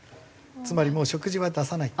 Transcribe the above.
つまりもう食事は出さない。